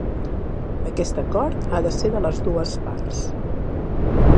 Aquest acord ha de ser de les dues parts.